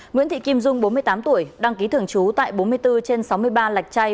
nguyễn thị kim dung bốn mươi tám tuổi đăng ký thường trú tại bốn mươi bốn trên sáu mươi ba lạch chay